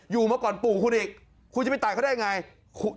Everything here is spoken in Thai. มาก่อนปู่คุณอีกคุณจะไปตายเขาได้ยังไง